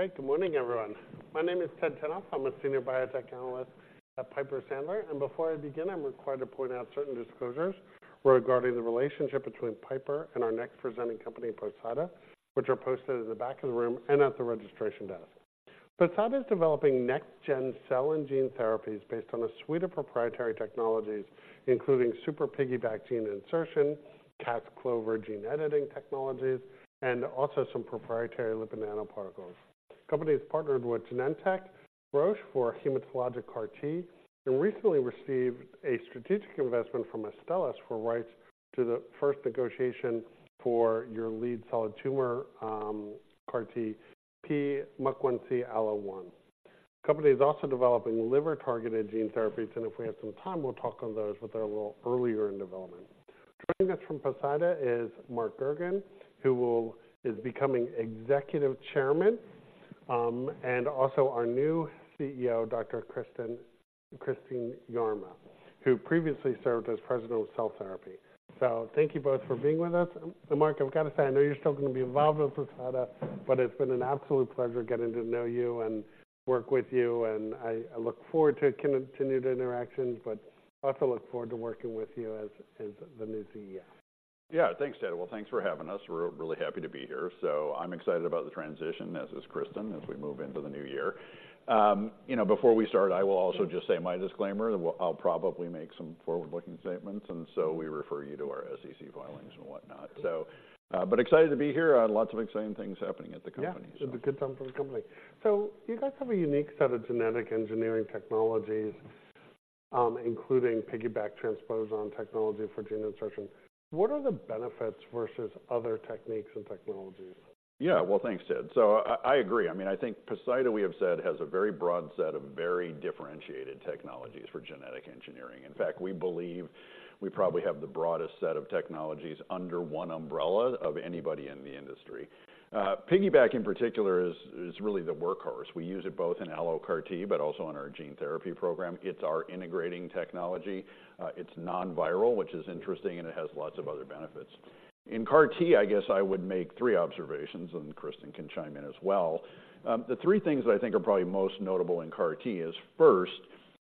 Okay, good morning, everyone. My name is Ted Tenthoff. I'm a senior biotech analyst at Piper Sandler, and before I begin, I'm required to point out certain disclosures regarding the relationship between Piper and our next presenting company, Poseida, which are posted in the back of the room and at the registration desk. Poseida is developing next-gen cell and gene therapies based on a suite of proprietary technologies, including Super piggyBac gene insertion, Cas-CLOVER gene editing technologies, and also some proprietary lipid nanoparticles. The company has partnered with Genentech, Roche for hematologic CAR T, and recently received a strategic investment from Astellas for rights to the first negotiation for your lead solid tumor, CAR T, P-MUC1C-ALLO1. The company is also developing liver-targeted gene therapies, and if we have some time, we'll talk on those, but they're a little earlier in development. Joining us from Poseida is Mark Gergen, who is becoming Executive Chairman, and also our new CEO, Dr. Kristin Yarema, who previously served as President of Cell Therapy. So thank you both for being with us. So Mark, I've got to say, I know you're still going to be involved with Poseida, but it's been an absolute pleasure getting to know you and work with you, and I look forward to continued interactions, but also look forward to working with you as the new CEO. Yeah. Thanks, Ted. Well, thanks for having us. We're really happy to be here. So I'm excited about the transition, as is Kristin, as we move into the new year. Before we start, I will also just say my disclaimer. I'll probably make some forward-looking statements, and so we refer you to our SEC filings and whatnot. So, but excited to be here. Lots of exciting things happening at the company. Yeah, it's a good time for the company. So you guys have a unique set of genetic engineering technologies, including piggyBac transposon technology for gene insertion. What are the benefits versus other techniques and technologies? Yeah. Well, thanks, Ted. So I agree. I mean, I think Poseida, we have said, has a very broad set of very differentiated technologies for genetic engineering. In fact, we believe we probably have the broadest set of technologies under one umbrella of anybody in the industry. PiggyBac, in particular, is really the workhorse. We use it both in allo CAR T, but also in our gene therapy program. It's our integrating technology. It's non-viral, which is interesting, and it has lots of other benefits. In CAR T, I guess I would make three observations, and Kristin can chime in as well. The three things that I think are probably most notable in CAR T is, first,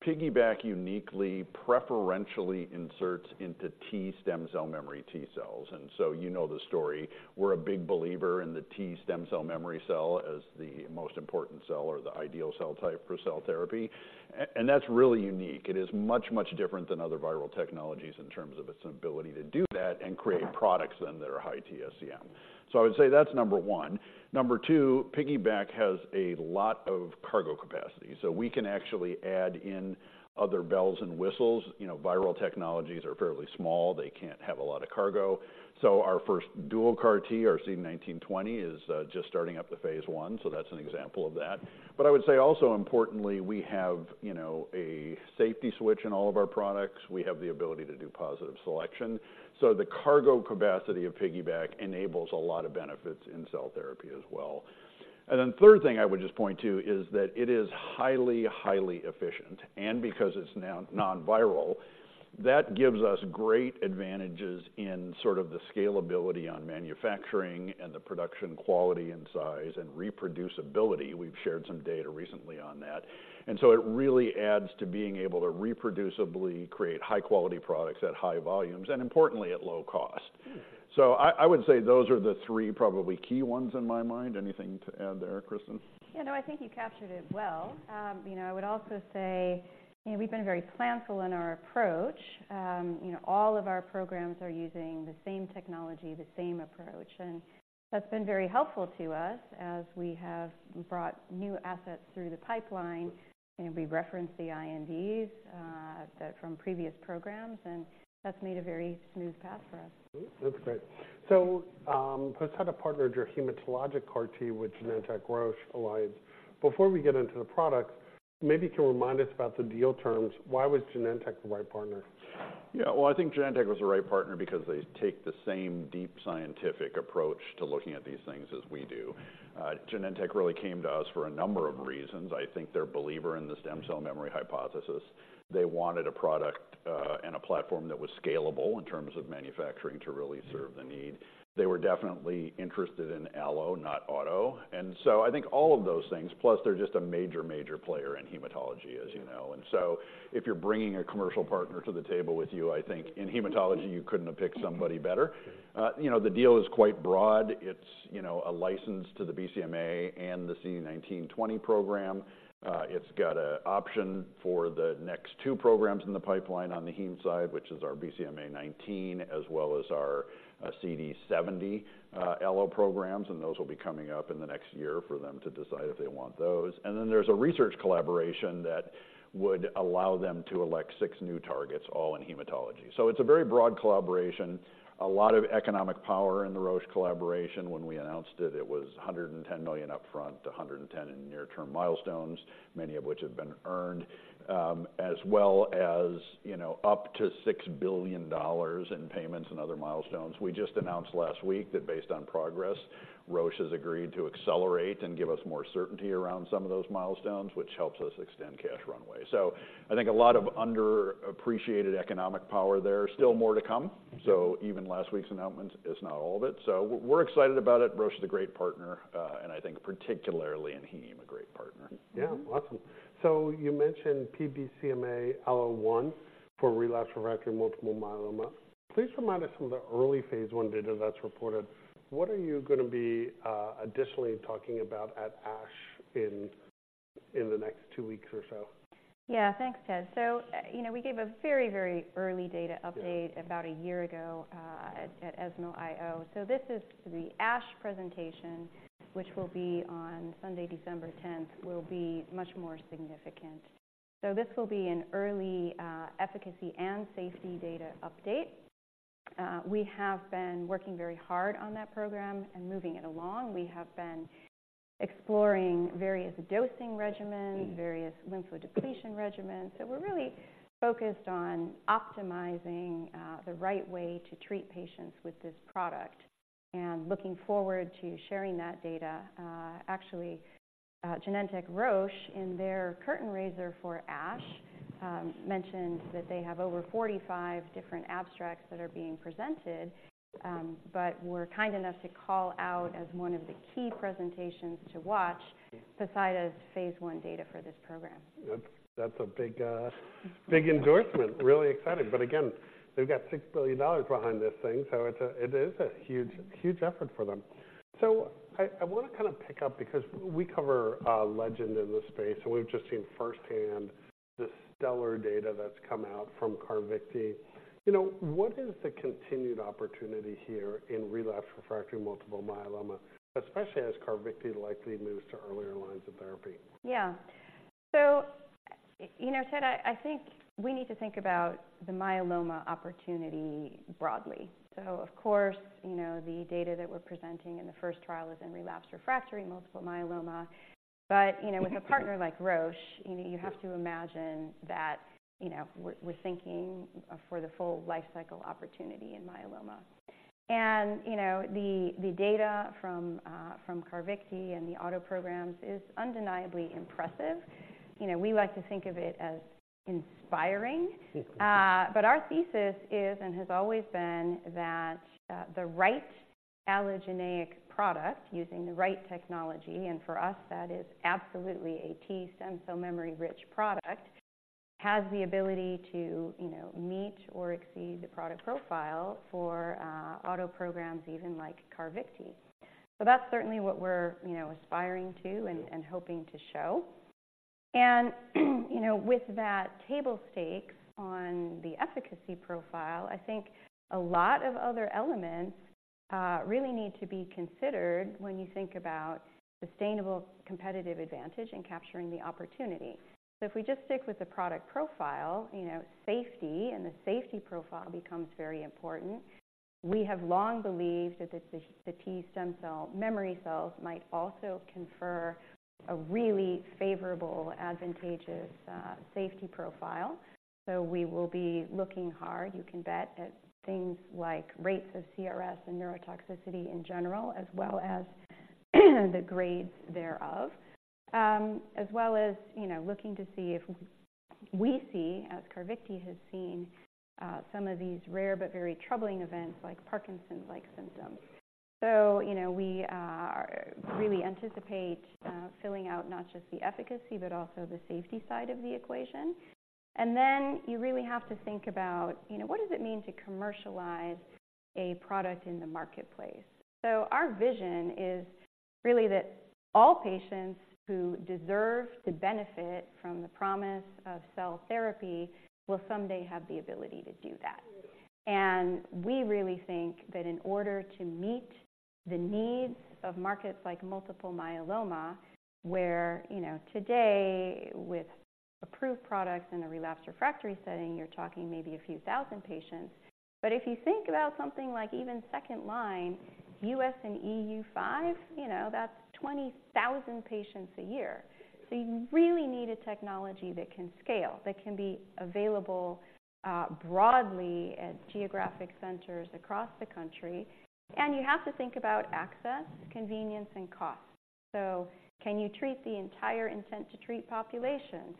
PiggyBac uniquely preferentially inserts into T Stem Cell Memory T cells. And so you know the story. We're a big believer in the T Stem Cell Memory cell as the most important cell or the ideal cell type for cell therapy, and that's really unique. It is much, much different than other viral technologies in terms of its ability to do that and create products then that are high TSCM. So I would say that's number one. Number two, piggyBac has a lot of cargo capacity, so we can actually add in other bells and whistles. Viral technologies are fairly small. They can't have a lot of cargo. So our first dual CAR T, our CD19/20, is just starting up the phase I, so that's an example of that. But I would say also importantly, we have a safety switch in all of our products. We have the ability to do positive selection, so the cargo capacity of piggyBac enables a lot of benefits in cell therapy as well. And then the third thing I would just point to is that it is highly, highly efficient, and because it's now non-viral, that gives us great advantages in sort of the scalability on manufacturing and the production quality and size and reproducibility. We've shared some data recently on that, and so it really adds to being able to reproducibly create high-quality products at high volumes, and importantly, at low cost. Hmm. So I would say those are the three probably key ones in my mind. Anything to add there, Kristin? Yeah, no, I think you captured it well. I would also say we've been very planful in our approach. All of our programs are using the same technology, the same approach, and that's been very helpful to us as we have brought new assets through the pipeline. We reference the INDs, that from previous programs, and that's made a very smooth path for us. Hmm, that's great. So, Poseida partnered your hematologic CAR T with Genentech Roche Alliance. Before we get into the products, maybe you can remind us about the deal terms. Why was Genentech the right partner? Yeah. Well, I think Genentech was the right partner because they take the same deep scientific approach to looking at these things as we do. Genentech really came to us for a number of reasons. I think they're a believer in the stem cell memory hypothesis. They wanted a product, and a platform that was scalable in terms of manufacturing, to really serve the need. They were definitely interested in allo, not auto, and so I think all of those things, plus they're just a major, major player in hematology, as you know. And so if you're bringing a commercial partner to the table with you, I think in hematology, you couldn't have picked somebody better. The deal is quite broad. It's a license to the BCMA and the CD19/20 program. It's got an option for the next two programs in the pipeline on the heme side, which is our BCMA19, as well as our CD70 allo programs, and those will be coming up in the next year for them to decide if they want those. And then there's a research collaboration that would allow them to elect six new targets, all in hematology. So it's a very broad collaboration, a lot of economic power in the Roche collaboration. When we announced it, it was $110 million upfront, $110 million in near-term milestones, many of which have been earned, as well as up to $6 billion in payments and other milestones. We just announced last week that based on progress, Roche has agreed to accelerate and give us more certainty around some of those milestones, which helps us extend cash runway. So I think a lot of under-appreciated economic power there. Still more to come. Okay. So even last week's announcement is not all of it, so we're excited about it. Roche is a great partner, and I think particularly in heme, a great partner. Yeah, awesome. So you mentioned P-BCMA-ALLO1 for relapsed refractory multiple myeloma. Please remind us from the early phase I data that's reported, what are you gonna be, additionally talking about at ASH in, in the next two weeks or so? Yeah, thanks, Ted. So we gave a very, very early data update- Yeah about a year ago, at ESMO IO. So this is the ASH presentation, which will be on Sunday, December tenth, will be much more significant. This will be an early efficacy and safety data update. We have been working very hard on that program and moving it along. We have been exploring various dosing regimens, various lymphodepletion regimens. So we're really focused on optimizing the right way to treat patients with this product and looking forward to sharing that data. Actually, Genentech Roche, in their curtain raiser for ASH, mentioned that they have over 45 different abstracts that are being presented, but were kind enough to call out as one of the key presentations to watch. Yeah Poseida's phase 1 data for this program. That's a big endorsement. Really exciting. But again, they've got $6 billion behind this thing, so it is a huge, huge effort for them. So I wanna kind of pick up because we cover Legend in this space, and we've just seen firsthand the stellar data that's come out from CARVYKTI. what is the continued opportunity here in relapsed refractory multiple myeloma, especially as CARVYKTI likely moves to earlier lines of therapy? Yeah. So Ted, I think we need to think about the myeloma opportunity broadly. So of course the data that we're presenting in the first trial is in relapsed refractory multiple myeloma. But with a partner like Roche you have to imagine that we're thinking for the full lifecycle opportunity in myeloma. And the data from CARVYKTI and the auto programs is undeniably impressive. we like to think of it as inspiring. Yeah. But our thesis is, and has always been, that the right allogeneic product, using the right technology, and for us, that is absolutely a T Stem Cell Memory rich product, has the ability to meet or exceed the product profile for auto programs, even like CARVYKTI. So that's certainly what we're aspiring to- Yeah ...and hoping to show. With that table stakes on the efficacy profile, I think a lot of other elements really need to be considered when you think about sustainable competitive advantage and capturing the opportunity. So if we just stick with the product profile safety and the safety profile becomes very important. We have long believed that the T Stem Cell Memory cells might also confer a really favorable, advantageous safety profile. So we will be looking hard, you can bet, at things like rates of CRS and neurotoxicity in general, as well as the grades thereof. As well as looking to see if we see, as CARVYKTI has seen, some of these rare but very troubling events like Parkinson's-like symptoms. So we really anticipate filling out not just the efficacy, but also the safety side of the equation. And then you really have to think about what does it mean to commercialize a product in the marketplace? So our vision is really that all patients who deserve to benefit from the promise of cell therapy will someday have the ability to do that. And we really think that in order to meet the needs of markets like multiple myeloma, where today, with approved products in a relapsed refractory setting, you're talking maybe a few thousand patients, but if you think about something like even second line, U.S. and EU5 that's 20,000 patients a year. So you really need a technology that can scale, that can be available broadly at geographic centers across the country, and you have to think about access, convenience, and cost. So can you treat the entire intent-to-treat population?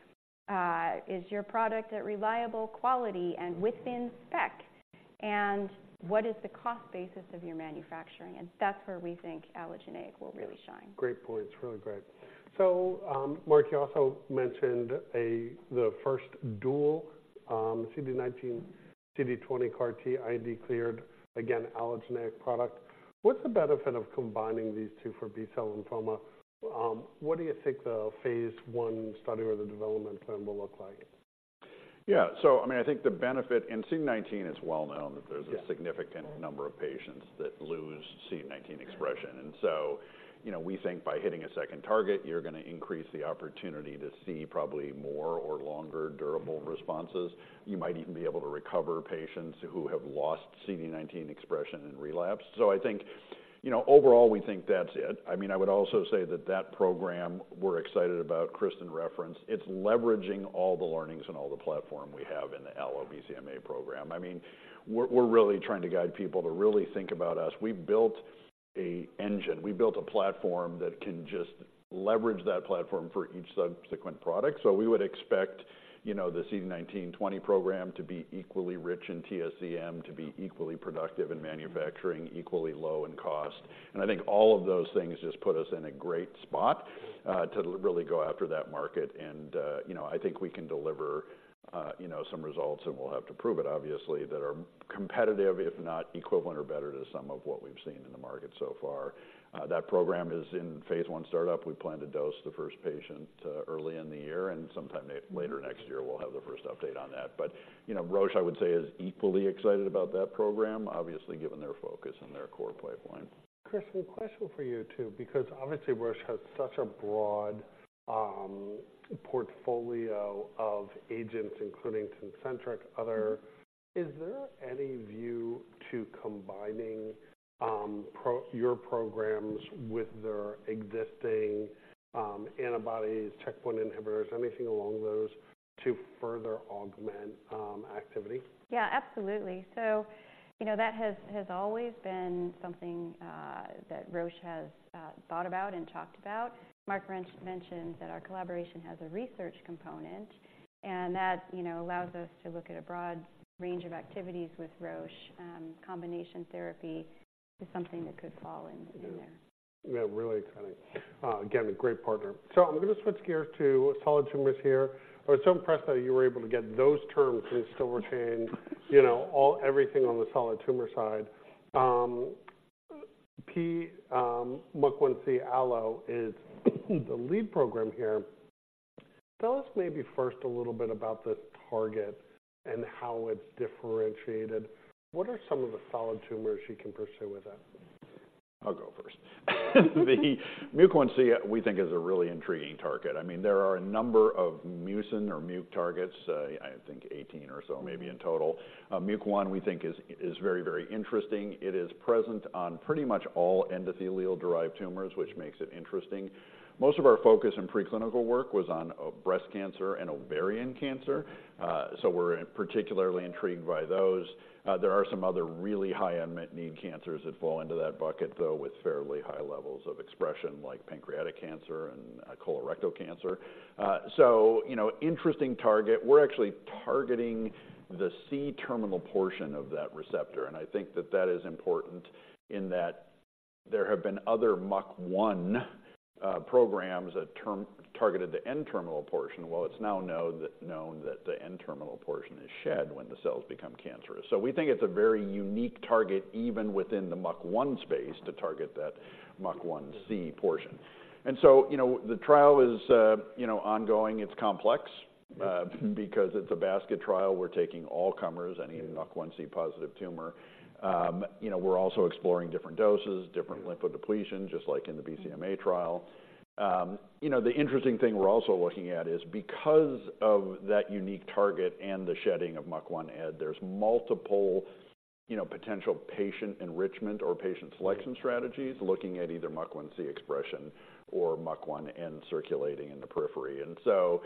Is your product at reliable quality and within spec? And what is the cost basis of your manufacturing? And that's where we think allogeneic will really shine. Great points. Really great. So, Mark, you also mentioned the first dual CD19, CD20 CAR-T IND cleared, again, allogeneic product. What's the benefit of combining these two for B-cell lymphoma? What do you think the phase 1 study or the development plan will look like? Yeah. So I mean, I think the benefit in CD19 is well known- Yeah... that there's a significant number of patients that lose CD19 expression. And so we think by hitting a second target, you're gonna increase the opportunity to see probably more or longer durable responses. You might even be able to recover patients who have lost CD19 expression and relapse. So I think overall, we think that's it. I mean, I would also say that that program, we're excited about, Kristin referenced, it's leveraging all the learnings and all the platform we have in the allo-BCMA program. I mean, we're really trying to guide people to really think about us. We built a platform that can just leverage that platform for each subsequent product. So we would expect the CD nineteen twenty program to be equally rich in TSCM, to be equally productive in manufacturing, equally low in cost. And I think all of those things just put us in a great spot, to really go after that market. And I think we can deliver some results, and we'll have to prove it, obviously, that are competitive, if not equivalent or better to some of what we've seen in the market so far. That program is in phase I startup. We plan to dose the first patient, early in the year, and sometime later next year, we'll have the first update on that. But Roche, I would say, is equally excited about that program, obviously, given their focus and their core pipeline. Kristin, question for you, too, because obviously, Roche has such a broad portfolio of agents, including Tecentriq, other. Is there any view to combining your programs with their existing antibodies, checkpoint inhibitors, anything along those, to further augment activity? Yeah, absolutely. So that has always been something that Roche has thought about and talked about. Mark mentioned that our collaboration has a research component, and that allows us to look at a broad range of activities with Roche. Combination therapy is something that could fall in there. Yeah, really exciting. Again, a great partner. So I'm gonna switch gears to solid tumors here. I was so impressed that you were able to get those terms in silver chain all- everything on the solid tumor side. P-MUC1C Allo is the lead program here. Tell us maybe first a little bit about the target and how it's differentiated. What are some of the solid tumors you can pursue with that? I'll go first. The MUC1C, we think, is a really intriguing target. I mean, there are a number of mucin or MUC targets, I think 18 or so, maybe in total. MUC1, we think is, is very, very interesting. It is present on pretty much all endothelial-derived tumors, which makes it interesting. Most of our focus in preclinical work was on, breast cancer and ovarian cancer, so we're particularly intrigued by those. There are some other really high unmet need cancers that fall into that bucket, though, with fairly high levels of expression, like pancreatic cancer and colorectal cancer. So interesting target. We're actually targeting the C-terminal portion of that receptor, and I think that that is important in that there have been other MUC1, programs that targeted the N-terminal portion. Well, it's now known that the N-terminal portion is shed when the cells become cancerous. So we think it's a very unique target, even within the MUC1 space, to target that MUC1C portion. And so the trial is ongoing. It's complex, because it's a basket trial. We're taking all comers, any MUC1C-positive tumor. We're also exploring different doses, different lymphodepletion, just like in the BCMA trial. The interesting thing we're also looking at is because of that unique target and the shedding of MUC1 head, there's multiple potential patient enrichment or patient selection strategies looking at either MUC1C expression or MUC1N circulating in the periphery. And so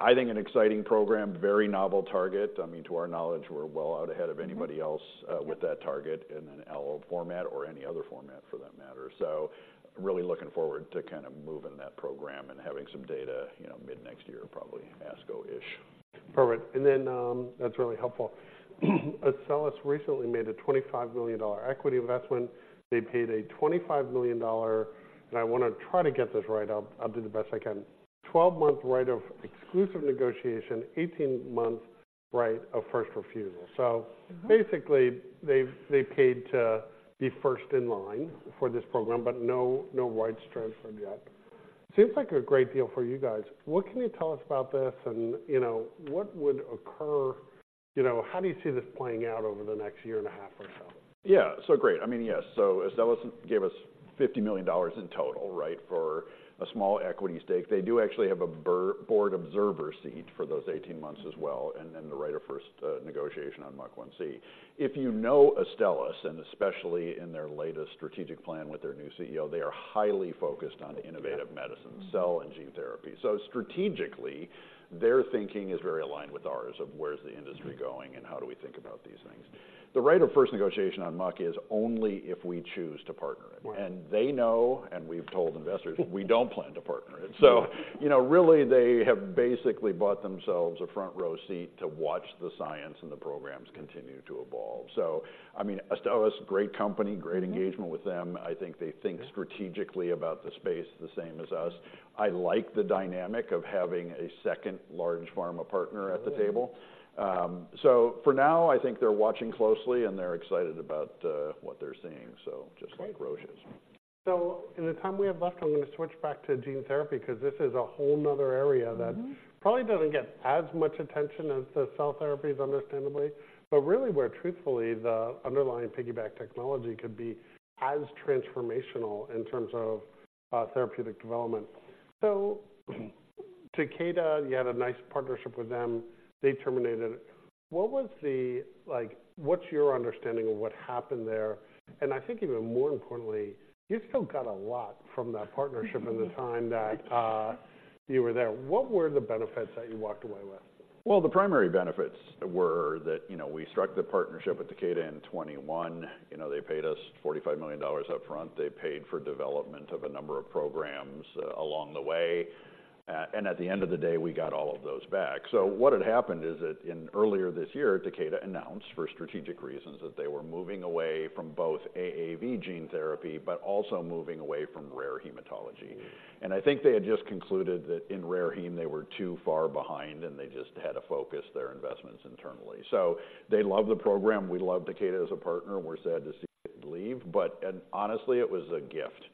I think an exciting program, very novel target. I mean, to our knowledge, we're well out ahead of anybody else- Mm-hmm. with that target in an Allo format or any other format for that matter. So really looking forward to kind of moving that program and having some data mid-next year, probably ASCO-ish. Perfect. That's really helpful. Astellas recently made a $25 million equity investment. They paid a $25 million, and I want to try to get this right. I'll, I'll do the best I can. 12-month right of exclusive negotiation, 18-month right of first refusal. Mm-hmm. So basically, they've, they paid to be first in line for this program, but no, no rights transferred yet. Seems like a great deal for you guys. What can you tell us about this, and what would occur how do you see this playing out over the next year and a half or so? Yeah. So great. I mean, yes. So Astellas gave us $50 million in total, right? For a small equity stake. They do actually have a board observer seat for those 18 months as well, and then the right of first negotiation on MUC1C. If Astellas, and especially in their latest strategic plan with their new CEO, they are highly focused on innovative medicines- Yeah. Cell and gene therapy. So strategically, their thinking is very aligned with ours of where's the industry going- Mm-hmm. And how do we think about these things? The right of first negotiation on MUC is only if we choose to partner it. Right. And they know, and we've told investors, we don't plan to partner it. So really, they have basically bought themselves a front row seat to watch the science and the programs continue to evolve. So I mean, Astellas, great company- Mm-hmm. Great engagement with them. I think they think. Yeah strategically about the space the same as us. I like the dynamic of having a second large pharma partner at the table. Mm. So for now, I think they're watching closely, and they're excited about what they're seeing, so- Great. Just like Roche is. In the time we have left, I'm gonna switch back to gene therapy, because this is a whole other area. Mm-hmm. -that probably doesn't get as much attention as the cell therapies, understandably, but really where truthfully, the underlying piggyback technology could be as transformational in terms of, therapeutic development. So, Takeda, you had a nice partnership with them. They terminated it. What was... Like, what's your understanding of what happened there? And I think even more importantly... You still got a lot from that partnership in the time that, you were there. What were the benefits that you walked away with? Well, the primary benefits were that we struck the partnership with Takeda in 2021. They paid us $45 million upfront. They paid for development of a number of programs along the way. And at the end of the day, we got all of those back. So what had happened is that earlier this year, Takeda announced, for strategic reasons, that they were moving away from both AAV gene therapy, but also moving away from rare hematology. And I think they had just concluded that in rare heme, they were too far behind, and they just had to focus their investments internally. So they love the program, we love Takeda as a partner, and we're sad to see it leave, but- and honestly, it was a gift,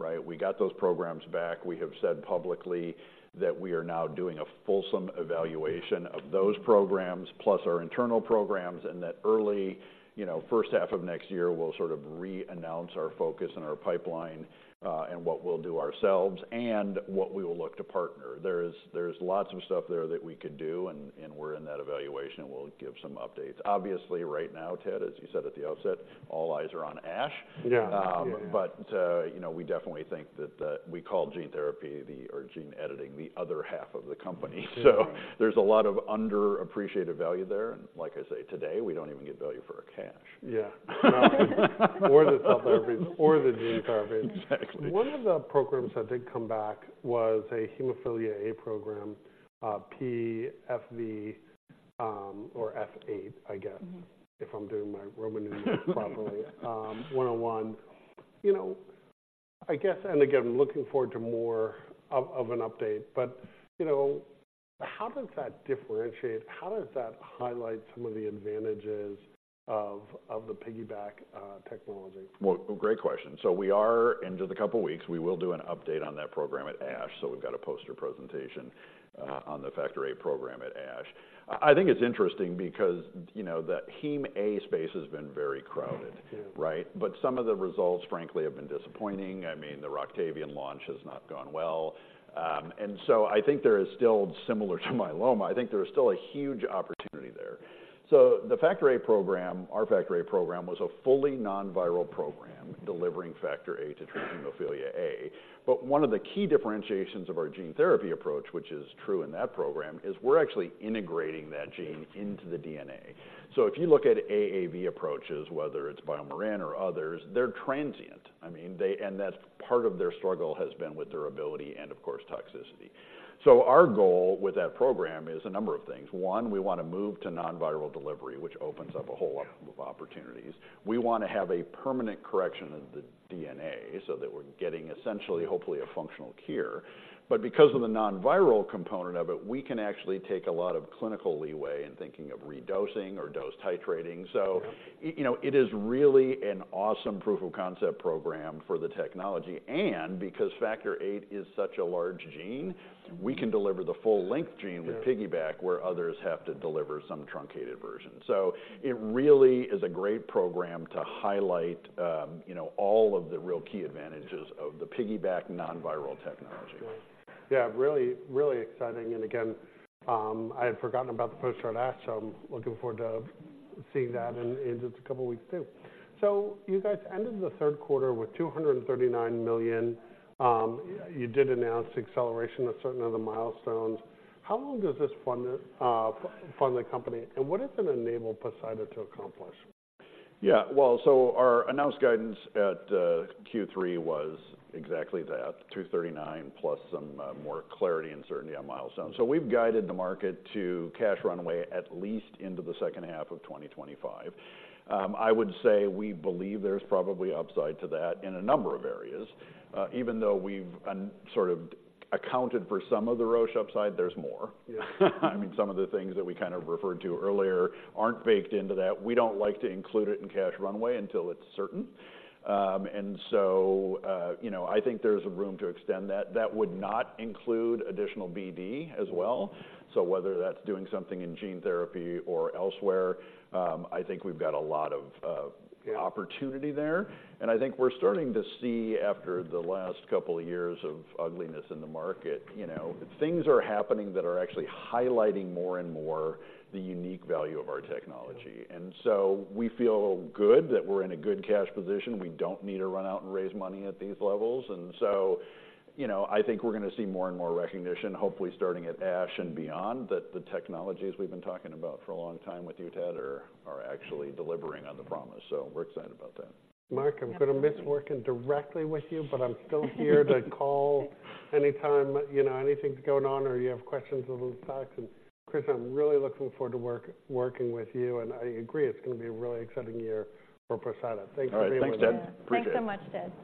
right? We got those programs back. We have said publicly that we are now doing a fulsome evaluation of those programs, plus our internal programs, and that early first half of next year, we'll sort of re-announce our focus and our pipeline, and what we'll do ourselves, and what we will look to partner. There's lots of stuff there that we could do, and, and we're in that evaluation, and we'll give some updates. Obviously, right now, Ted, as you said at the outset, all eyes are on ASH. Yeah. Yeah. We definitely think that the... We call gene therapy the- or gene editing, the other half of the company. So there's a lot of underappreciated value there, and like I say, today, we don't even get value for our cash. Yeah. Or the cell therapy, or the gene therapy. Exactly. One of the programs that did come back was a hemophilia A program, P-FVIII, or FVIII, I guess- Mm-hmm If I'm doing my Roman numerals properly, 101. I guess, and again, looking forward to more of, of an update, but how does that differentiate? How does that highlight some of the advantages of, of the piggyBac technology? Well, great question. So in a couple of weeks, we will do an update on that program at ASH. So we've got a poster presentation on the Factor VIII program at ASH. I think it's interesting because the hemophilia A space has been very crowded- Yeah... right? But some of the results, frankly, have been disappointing. I mean, the Roctavian launch has not gone well. And so I think there is still, similar to myeloma, I think there is still a huge opportunity there. So the Factor VIII program, our Factor VIII program, was a fully nonviral program, delivering Factor VIII to treat hemophilia A. But one of the key differentiations of our gene therapy approach, which is true in that program, is we're actually integrating that gene into the DNA. So if you look at AAV approaches, whether it's BioMarin or others, they're transient. I mean, they and that's part of their struggle has been with their ability and, of course, toxicity. So our goal with that program is a number of things. One, we want to move to nonviral delivery, which opens up a whole lot of opportunities. We want to have a permanent correction of the DNA so that we're getting essentially, hopefully, a functional cure. But because of the nonviral component of it, we can actually take a lot of clinical leeway in thinking of redosing or dose titrating. Yeah. So it is really an awesome proof of concept program for the technology, and because factor VIII is such a large gene, we can deliver the full-length gene- Yeah - with piggyBac, where others have to deliver some truncated version. So it really is a great program to highlight all of the real key advantages of the piggyBac nonviral technology. Yeah, really, really exciting. And again, I had forgotten about the poster at ASH, so I'm looking forward to seeing that in just a couple of weeks, too. So you guys ended the Q3 with $239 million. You did announce acceleration of certain of the milestones. How long does this fund the company, and what does it enable Poseida to accomplish? Yeah, well, so our announced guidance at Q3 was exactly that, 239, plus some more clarity and certainty on milestones. So we've guided the market to cash runway, at least into the second half of 2025. I would say we believe there's probably upside to that in a number of areas. Even though we've sort of accounted for some of the Roche upside, there's more. Yeah. I mean, some of the things that we kind of referred to earlier aren't baked into that. We don't like to include it in cash runway until it's certain. So I think there's room to extend that. That would not include additional BD as well. So whether that's doing something in gene therapy or elsewhere, I think we've got a lot of, Yeah... opportunity there, and I think we're starting to see, after the last couple of years of ugliness in the market things are happening that are actually highlighting more and more the unique value of our technology. Mm-hmm. So we feel good that we're in a good cash position. We don't need to run out and raise money at these levels. And so I think we're going to see more and more recognition, hopefully starting at ASH and beyond, that the technologies we've been talking about for a long time with you, Ted, are actually delivering on the promise, so we're excited about that. Mark- Absolutely... I'm going to miss working directly with you, but I'm still here to call anytime anything's going on or you have questions about stocks. And, Chris, I'm really looking forward to working with you, and I agree, it's going to be a really exciting year for Poseida. Thanks very much. All right. Thanks, Ted. Appreciate it. Thanks so much, Ted.